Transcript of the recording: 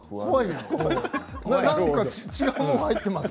なんか違うもの入ってます？